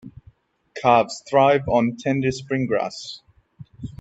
Calves thrive on tender spring grass.